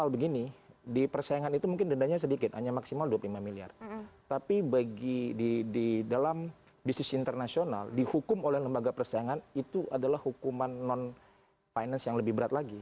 terima kasih terima kasih